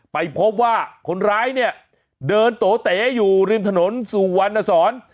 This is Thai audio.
ไปพบว่าคนร้ายเนี่ยเดินโตเต๋อยู่ริมถนนสุวรรณสอน